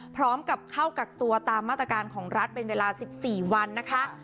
พร้อมกับเข้ากักตัวตามมาตรการของรัฐเป็นเวลา๑๔วันนะคะ